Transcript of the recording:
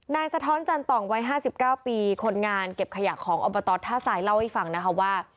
สะท้อนจันต่องวัย๕๙ปีคนงานเก็บขยะของอบตท่าทรายเล่าให้ฟังนะคะว่า